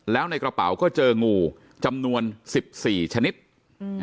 แล้วในกระเป๋าก็เจองูจำนวนสิบสี่ชนิดอืม